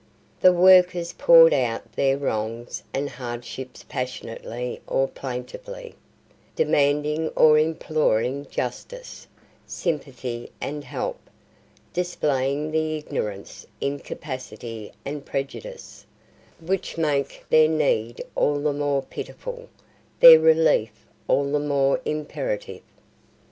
The workers poured out their wrongs and hardships passionately or plaintively, demanding or imploring justice, sympathy, and help; displaying the ignorance, incapacity, and prejudice, which make their need all the more pitiful, their relief all the more imperative.